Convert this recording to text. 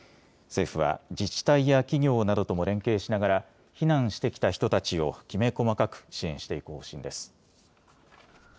政府は自治体や企業などとも連携しながら避難してきた人たちをきめ細かく支援していく方針です。